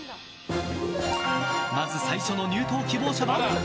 まず最初の入党希望者は。